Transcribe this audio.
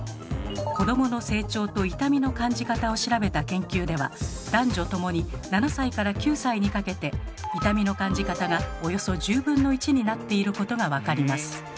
子どもの成長と痛みの感じ方を調べた研究では男女共に７歳から９歳にかけて痛みの感じ方がおよそ１０分の１になっていることが分かります。